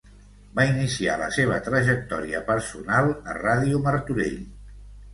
Va iniciar la seva trajectòria personal a Ràdio Martorell.